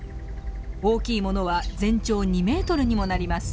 大きいものは全長２メートルにもなります。